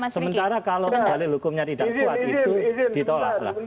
sementara kalau dali dali hukumnya tidak kuat itu ditolak